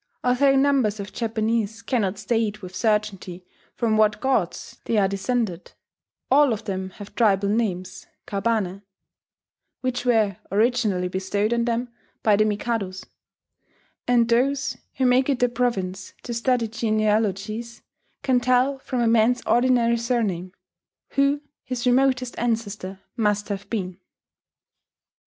Although numbers of Japanese cannot state with certainty from what gods they are descended, all of them have tribal names (kabane), which were originally bestowed on them by the Mikados; and those who make it their province to study genealogies can tell from a man's ordinary surname, who his remotest ancestor must have been."